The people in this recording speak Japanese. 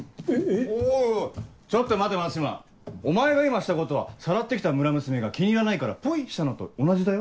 おいおいちょっと待て松島お前が今したことはさらって来た村娘が気に入らないからポイしたのと同じだよ。